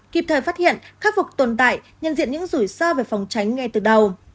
kịp thời phát hiện khắc phục tồn tại nhận diện những rủi ro về phòng tránh ngay từ đầu